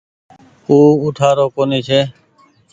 او اُٺآرو ڪونيٚ ڇي۔